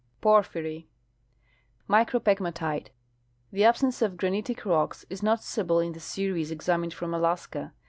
Porphyry. Micropegvmtite. — The absence of granitic rocks is noticeable in the series examined from Alaska.